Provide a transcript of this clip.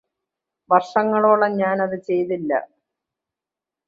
വര്ഷങ്ങളോളം ഞാന് അതു ചെയ്തില്ല